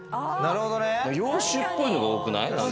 洋酒っぽいのが多くない？